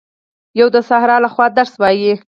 یو د سحر لخوا درس وايي